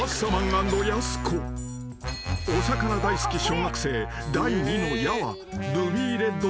［お魚大好き小学生第２の矢は］